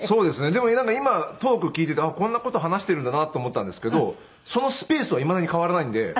でも今トーク聞いててあっこんな事話してるんだなと思ったんですけどそのスペースはいまだに変わらないんで。